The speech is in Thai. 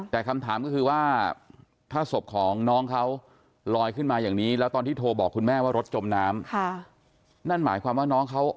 แต่คำถามก็คือว่าถ้าศพของน้องเขาลอยขึ้นมาอย่างนี้แล้วตอนที่โทรบอกคุณแม่ว่ารถจมน้ำ